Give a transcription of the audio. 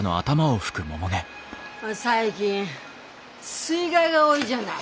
最近水害が多いじゃない？